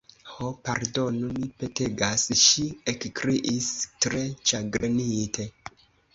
"Ho, pardonu, mi petegas," ŝi ekkriis tre ĉagrenite.